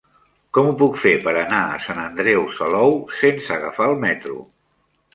Com ho puc fer per anar a Sant Andreu Salou sense agafar el metro?